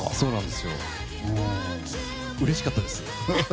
うれしかったです。